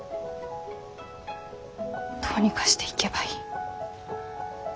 どうにかして行けばいい。